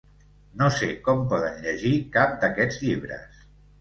No sé com poden llegir cap d'aquests llibres.